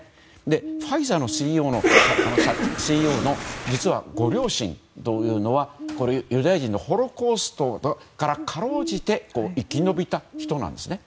ファイザーのＣＥＯの実はご両親というのはユダヤ人のホロコーストからかろうじて生き延びた人なんです。